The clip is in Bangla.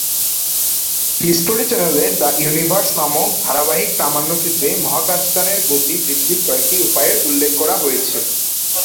হিস্টরি চ্যানেলের "দ্য ইউনিভার্স" নামক ধারাবাহিক প্রামাণ্য চিত্রে মহাকাশযানের গতি বৃদ্ধির কয়েকটি উপায়ের উল্লেখ করা হয়েছে।